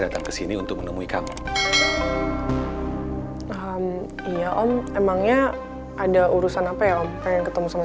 pengen ketemu sama saya